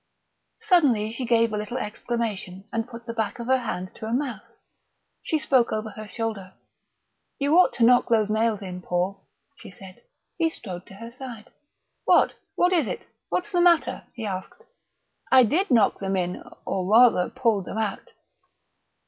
Suddenly she gave a little exclamation, and put the back of her hand to her mouth. She spoke over her shoulder: "You ought to knock those nails in, Paul," she said. He strode to her side. "What? What is it? What's the matter?" he asked. "I did knock them in or, rather, pulled them out."